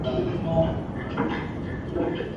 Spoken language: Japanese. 体育祭の雰囲気すき